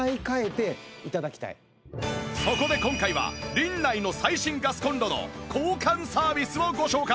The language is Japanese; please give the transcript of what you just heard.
そこで今回はリンナイの最新ガスコンロの交換サービスをご紹介！